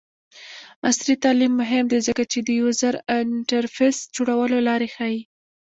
عصري تعلیم مهم دی ځکه چې د یوزر انټرفیس جوړولو لارې ښيي.